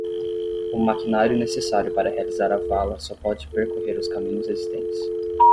O maquinário necessário para realizar a vala só pode percorrer os caminhos existentes.